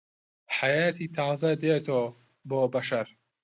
حەیاتی تازە دێتۆ بۆ بەشەر